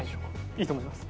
いいと思います。